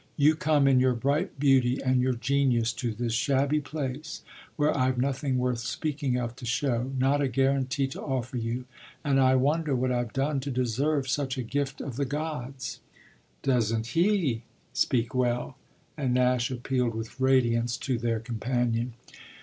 You come, in your bright beauty and your genius, to this shabby place where I've nothing worth speaking of to show, not a guarantee to offer you; and I wonder what I've done to deserve such a gift of the gods." "Doesn't he speak well?" and Nash appealed with radiance to their companion.